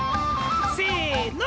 せの！